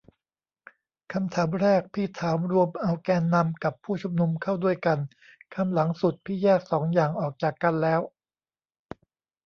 คำถามแรกพี่ถามรวมเอาแกนนำกับผู้ชุมนุมเข้าด้วยกัน คำหลังสุด พี่แยกสองอย่างออกจากกันแล้ว